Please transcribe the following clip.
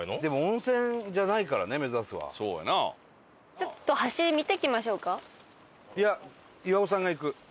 ちょっと橋見てきましょうか？